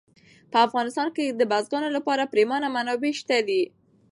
په افغانستان کې د بزګانو لپاره پریمانه منابع شته دي.